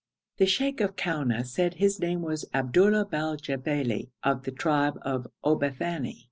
The sheikh of Kouna said his name was Abdullah bal Jabbeli, of the tribe of Obathani.